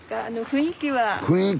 雰囲気は。